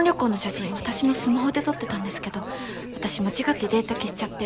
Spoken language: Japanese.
私のスマホで撮ってたんですけど私間違ってデータ消しちゃって。